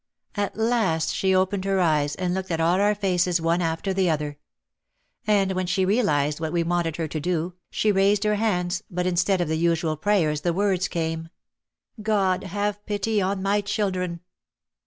,, At last she opened her eyes and looked at all our faces one after the other. And when she realised what we wanted her to do, she raised her hands but instead of the usual prayer the words came, "God have pity on my children